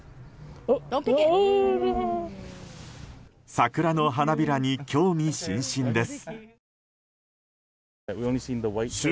桜の花びらに興味津々です。